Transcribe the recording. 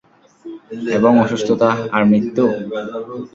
এবং অসুস্থতা, আর মৃত্যু?